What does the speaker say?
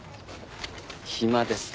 暇ですか。